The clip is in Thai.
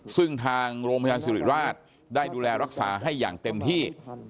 ซึ่งทางโรงพยาบาลสิริราชได้ดูแลรักษาให้อย่างเต็มที่